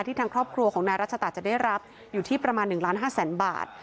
ทางครอบครัวของนายรัชตะจะได้รับอยู่ที่ประมาณ๑ล้าน๕แสนบาท